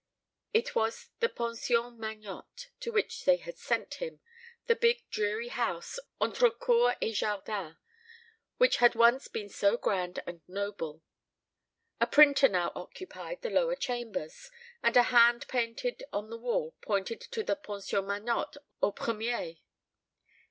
It was the Pension Magnotte to which they had sent him, the big dreary house, entre cour et jardin, which had once been so grand and noble. A printer now occupied the lower chambers, and a hand painted on the wall pointed to the _Pension Magnotte, au premier.